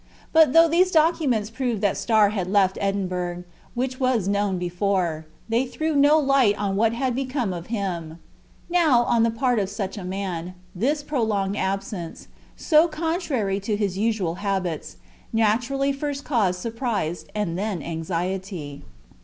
But though these documents proved that Starr had left Edinburgh—which was known before—they threw no light on what had become of him. Now, on the part of such a man, this prolonged absence, so contrary to his usual habits, naturally first caused surprise, and then anxiety.